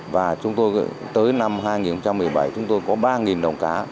và chúng tôi tới năm hai nghìn một mươi bảy chúng tôi có ba đồng cá